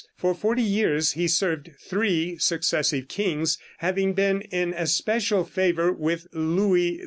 For forty years he served three successive kings, having been in especial favor with Louis XI.